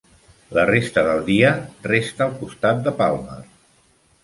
La resta del dia resta al costat de Palmer.